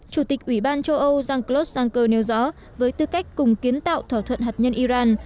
chủ tịch ủy ban châu âu jean claude juncker nêu rõ với tư cách cùng kiến tạo thỏa thuận hạt nhân iran